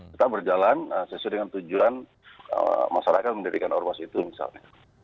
tetap berjalan sesuai dengan tujuan masyarakat mendirikan ormas itu misalnya